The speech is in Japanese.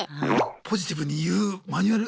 ポジティブに言うマニュアル。